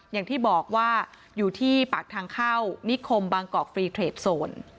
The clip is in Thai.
อย่างที่บอกว่าอยู่ที่ปากทางเข้านิคมบางกอกฟรีเทรดโซน